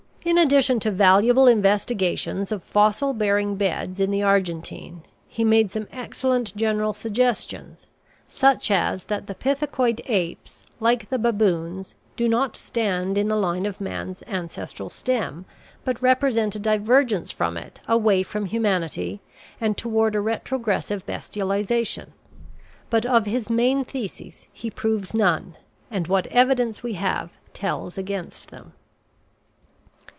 In addition to valuable investigations of fossil bearing beds in the Argentine, he made some excellent general suggestions, such as that the pithecoid apes, like the baboons, do not stand in the line of man's ancestral stem but represent a divergence from it away from humanity and toward a retrogressive bestialization. But of his main theses he proves none, and what evidence we have tells against them.